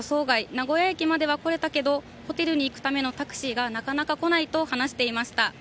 名古屋駅までは来れたけど、ホテルに行くためのタクシーがなかなか来ないと話していました。